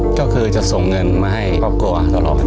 ก็คือจะส่งเงินมาให้ครอบครัวตลอด